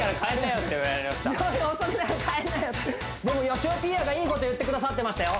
よしおピーヤがいいこと言ってくださってましたよ